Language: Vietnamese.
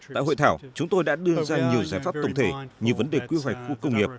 tại hội thảo chúng tôi đã đưa ra nhiều giải pháp tổng thể như vấn đề quy hoạch khu công nghiệp